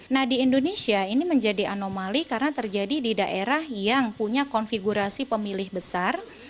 nah di indonesia ini menjadi anomali karena terjadi di daerah yang punya konfigurasi pemilih besar